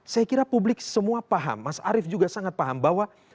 saya kira publik semua paham mas arief juga sangat paham bahwa